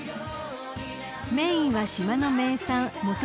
［メインは島の名産本部牛］